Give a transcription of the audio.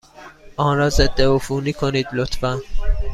آن را ضدعفونی کنید، لطفا.